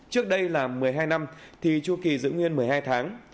trước đây là một mươi hai năm thì chu kỳ giữ nguyên một mươi hai tháng